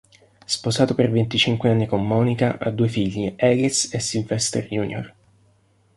Sposato per venticinque anni con Monika, ha due figli Alice e Sylvester Jr.